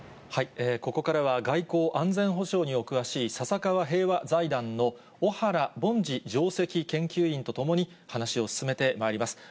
ここからは外交・安全保障にお詳しい、笹川平和財団の小原凡司上席研究員と共に話を進めてまいります。